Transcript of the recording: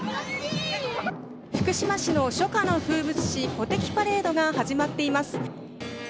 福島市の初夏の風物詩鼓笛パレードが始まっています。